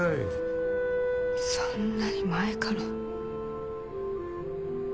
そんなに前から。